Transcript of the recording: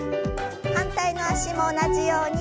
反対の脚も同じように。